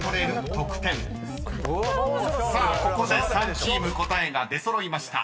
［さあここで３チーム答えが出揃いました］